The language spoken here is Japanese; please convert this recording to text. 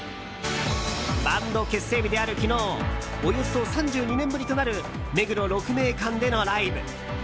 バンド結成日である昨日およそ３２年ぶりとなる目黒鹿鳴館でのライブ。